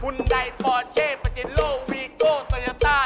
ฮุนไดฟอร์เชฟอาเจโรวีโก้ซอยาต้า